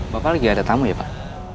bapak lagi ada tamu ya pak